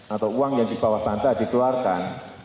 atau uang yang dibawa ke anda dikeluarkan